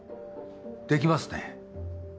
できますね。